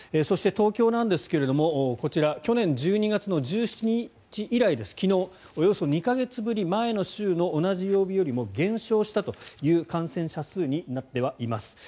そして、東京ですが去年１２月１７日以来です昨日、およそ２か月ぶりに前の週の同じ曜日よりも減少したという感染者数になってはいます。